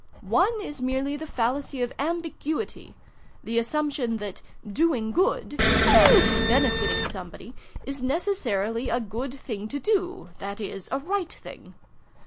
" One is merely the fallacy of ambiguity the assumption that ' doing good' (that is, bene fiting somebody) is necessarily a good thing to do (that is, a right thing).